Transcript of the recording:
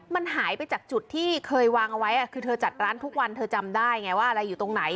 มันหายไปจากจุดที่เคยวางเอาไว้คือเธอจัดร้านทุกวันเธอจำได้ไงว่าอะไรอยู่ตรงไหน